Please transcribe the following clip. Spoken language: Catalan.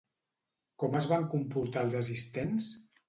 Com es van comportar els assistents?